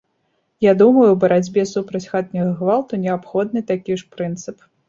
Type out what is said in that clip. Я думаю, у барацьбе супраць хатняга гвалту неабходны такі ж прынцып.